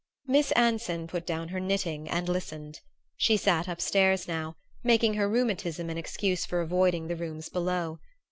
Miss Anson put down her knitting and listened. She sat up stairs now, making her rheumatism an excuse for avoiding the rooms below.